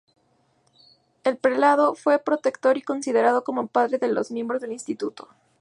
El prelado fue protector y considerado como padre por las miembros del instituto.